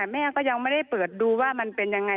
แม่ก็ยังไม่ได้เปิดดูว่ามันเป็นยังไง